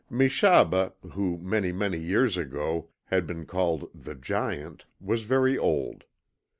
Meshaba who many, many years ago had been called The Giant was very old.